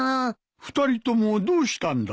２人ともどうしたんだ？